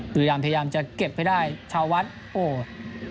พยายามจะเก็บให้ได้ชาววัฒน์